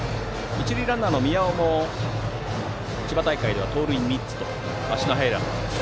一塁ランナーの宮尾も千葉大会では盗塁３つと足の速いランナーです。